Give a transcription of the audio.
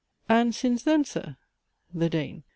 And since then, Sir ? THE DANE.